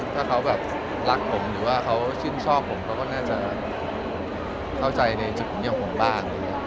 ถ้าเขาแบบรักผมหรือว่าเขาชื่นชอบผมเขาก็น่าจะเข้าใจในจุดตรงนี้ของผมบ้าง